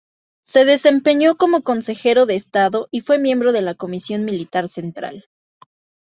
Se desempeñó como Consejero de Estado y fue miembro de la Comisión Militar Central.